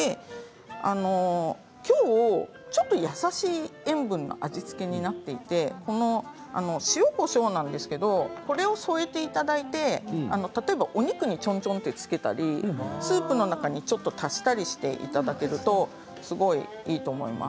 今日ちょっと優しい塩分の味付けになっていて塩、こしょうなんですがこれを添えていただいて例えばお肉にちょんちょんとつけたりスープの中にちょっと足したりしていただけるとすごいいいと思います。